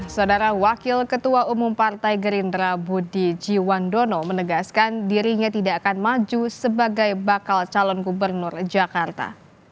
saudara wakil ketua umum partai gerindra budi jiwandono menegaskan dirinya tidak akan maju sebagai bakal calon gubernur jakarta